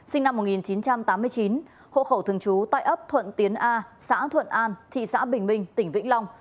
sinh năm một nghìn chín trăm tám mươi chín hộ khẩu thường trú tại ấp thuận tiến a xã thuận an thị xã bình minh tỉnh vĩnh long